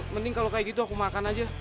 mending kalau kayak gitu aku makan aja